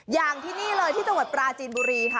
อย่างที่นี่เลยที่จังหวัดปราจีนบุรีค่ะ